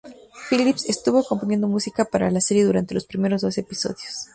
Phillips estuvo componiendo música para la serie durante los primeros doce episodios.